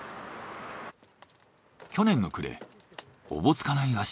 去年の暮れおぼつかない